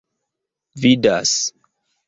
vidas